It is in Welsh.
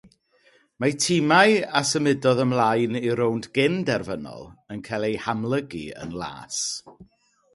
Mae timau a symudodd ymlaen i'r rownd gyn-derfynol yn cael eu hamlygu yn las.